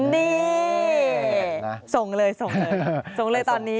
นี่ส่งเลยส่งเลยส่งเลยตอนนี้